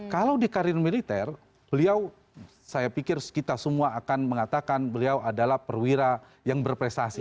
kalau di karir militer beliau saya pikir kita semua akan mengatakan beliau adalah perwira yang berprestasi